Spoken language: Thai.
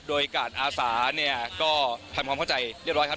โดยการอาสาเนี่ยก็ทำความเข้าใจเรียบร้อยครับ